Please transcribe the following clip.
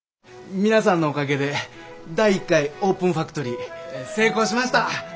皆さんのおかげで第１回オープンファクトリー成功しました！